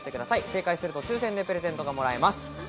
正解すると抽選でプレゼントがもらえます。